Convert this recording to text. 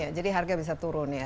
ya jadi harga bisa turun ya